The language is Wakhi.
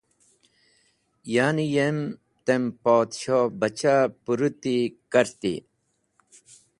Yani yem tem podshohbacha pũrũti kartey.